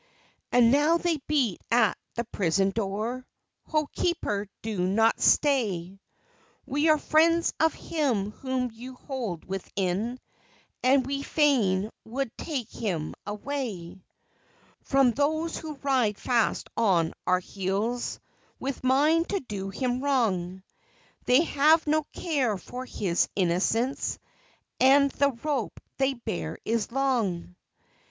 And now they beat at the prison door, "Ho, keeper, do not stay! We are friends of him whom you hold within, And we fain would take him away From those who ride fast on our heels With mind to do him wrong; They have no care for his innocence, And the rope they bear is long."